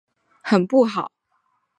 很不好！